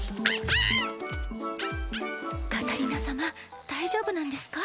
カタリナ様大丈夫なんですか？